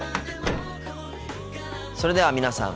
それでは皆さん